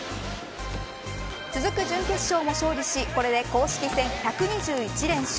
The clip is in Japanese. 続く準決勝も勝利しこれで公式戦１２１連勝。